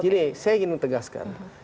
jadi saya ingin menegaskan